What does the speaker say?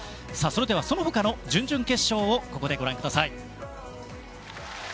それでは、その他の準々決勝をここでご覧ください。